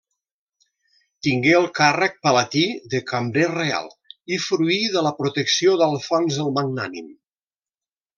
Tingué el càrrec palatí de cambrer reial i fruí de la protecció d'Alfons el Magnànim.